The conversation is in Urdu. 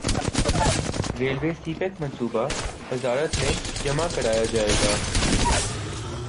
ریلوے سی پیک منصوبہ وزارت میں جمع کرایا جائے گا